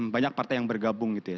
banyak partai yang bergabung gitu ya